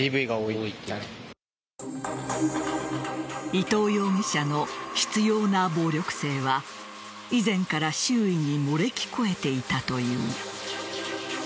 伊藤容疑者の執拗な暴力性は以前から周囲に漏れ聞こえていたという。